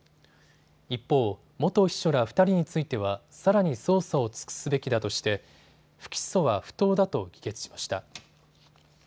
一方、元秘書ら２人についてはさらに捜査を尽くすべきだとして不起訴は不当だと議決しました。